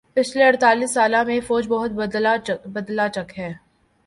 پچھلے اڑتالیس سالہ میں فوج بہت بدلہ چک ہے